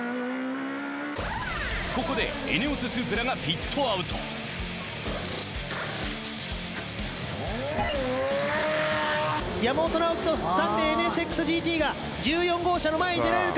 ここでエネオススープラがピットアウト山本尚貴とスタンレーＮＳＸＧＴが１４号車の前に出られるか？